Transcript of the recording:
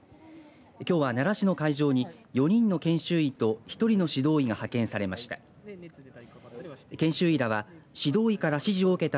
きょうは、奈良市の会場に４人の研修医と１人の指導医が派遣されました。